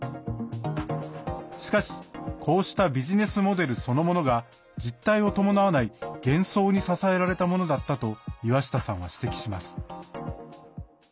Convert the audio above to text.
しかし、こうしたビジネスモデルそのものが実体を伴わない幻想に支えられたものだったと岩下さんは指摘します。